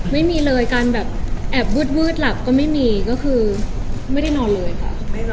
ไม่มีเลยการแบบแอบวืดหลับก็ไม่มีก็คือไม่ได้นอนเลยค่ะ